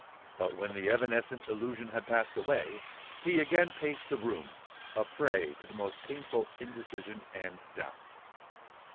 But when the evanescent illusion had passed away, he again paced the room, a prey to the most painful indecision and doubt.